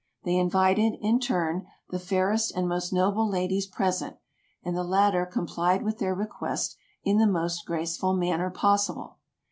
They invited, in turn, the fairest and most noble ladies present, and the lat ter complied with their request in the most graceful manner possible.